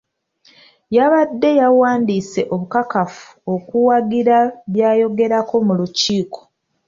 Yabadde yawandiise obukakafu okuwagira by'ayogerako mu lukiiko.